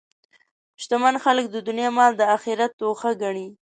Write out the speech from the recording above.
شتمن خلک د دنیا مال د آخرت توښه ګڼي.